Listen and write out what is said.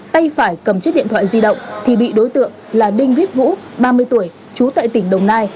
tay phải cầm chiếc điện thoại di động thì bị đối tượng là đinh viết vũ ba mươi tuổi trú tại tỉnh đồng nai